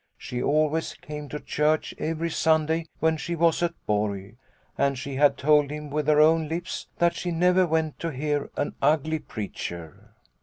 She always came to church every Sunday when she was at Borg, and she had told him with her own lips that she never went to hear an ugly preacher.